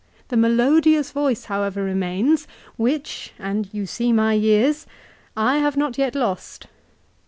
The melodious voice however remains, which, and you see my years, I have not yet lost.